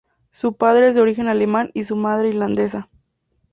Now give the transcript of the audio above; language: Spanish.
Su padre es de origen alemán, y su madre, irlandesa.